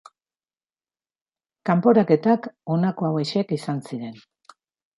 Kanporaketak honako hauexek izan ziren.